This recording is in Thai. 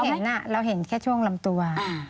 ช่วงที่แขนเราเห็นแค่ช่วงลำตัว